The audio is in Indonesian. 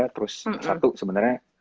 terus satu sebenernya